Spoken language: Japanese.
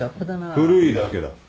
古いだけだ。